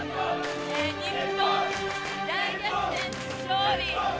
日本、大逆転勝利。